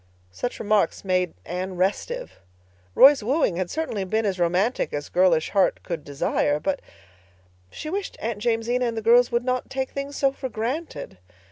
Such remarks made Anne restive. Roy's wooing had certainly been as romantic as girlish heart could desire, but—she wished Aunt Jamesina and the girls would not take things so for granted.